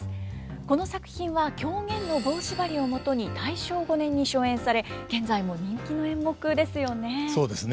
この作品は狂言の「棒縛」をもとに大正５年に初演され現在も人気の演目ですよね。